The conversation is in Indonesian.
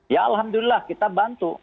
ya alhamdulillah kita bantu